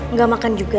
nggak makan juga